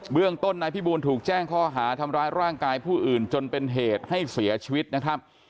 เรื่องต้นนายพิบูลถูกแจ้งข้อหาทำร้ายร่างกายผู้อื่นจนเป็นเหตุให้เสียชีวิตนะครับ